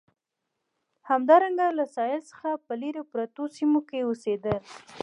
همدارنګه له ساحل څخه په لرې پرتو سیمو کې اوسېدل.